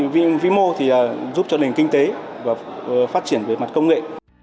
vị vĩ mô thì giúp cho nền kinh tế và phát triển về mặt công nghệ